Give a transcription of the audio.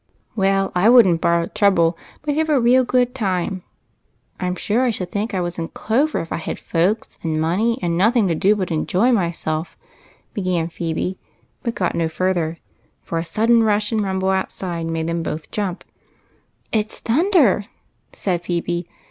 " Well, I would n't borrow trouble, but have a real good time. I 'm sure I should think I was in clover if I had folks and money, and nothing to do but enjoy TWO GIRLS. 9 myself," began Phebe, but got no further, for a sudden rush and rumble outside made them both jumj^. « It 's thunder," said Phebe.